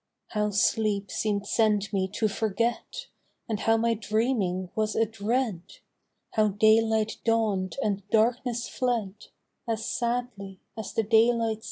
How sleep seem'd sent me to forget. And how my dreaming was a dread, How daylight dawn'd and darkness fled As sadly as the daylight set.